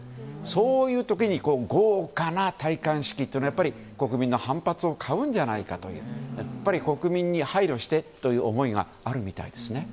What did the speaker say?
そういう時に豪華な戴冠式というのは国民の反発を買うんじゃないかというやっぱり国民に配慮してという思いがあるみたいですね。